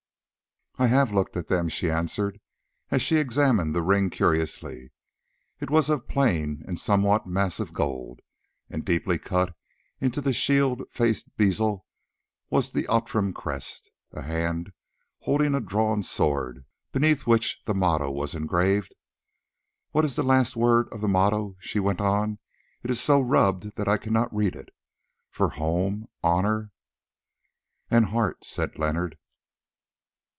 "I have looked at them," she answered, as she examined the ring curiously. It was of plain and somewhat massive gold, and deeply cut into the shield faced bezel was the Outram crest, a hand holding a drawn sword, beneath which the motto was engraved. "What is the last word of the motto?" she went on; "it is so rubbed that I cannot read it—'For Home, Honour——'" "'And Heart,'" said Leonard.